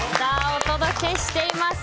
お届けしています